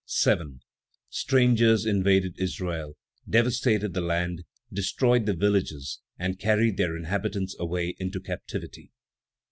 7. Strangers invaded Israel, devastated the land, destroyed the villages, and carried their inhabitants away into captivity.